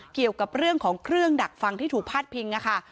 เกี่ยวกับเรื่องของเครื่องดักฟังที่ถูกพาดพิงนะคะ